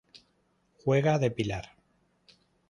Juega de pilar.